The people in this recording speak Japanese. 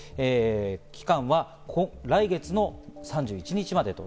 期間は来月の３１日まで。